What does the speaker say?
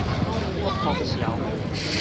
不通潲